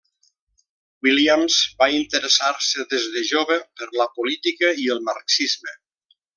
Williams va interessar-se des de jove per la política i el marxisme.